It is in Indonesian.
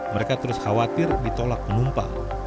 mereka terus khawatir ditolak penumpang